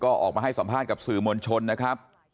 ก็ออกมาให้สัมภาษณ์กับสื่อมวลชนนะครับ